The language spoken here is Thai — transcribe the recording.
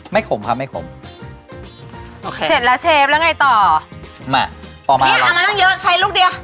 ไม่ขมครับไม่ขมเสร็จแล้วเชฟแล้วไงต่อมาต่อมานี่เอามาตั้งเยอะใช้ลูกเดี๋ยว